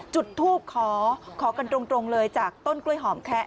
จุดทูปขอขอกันตรงเลยจากต้นกล้วยหอมแคะ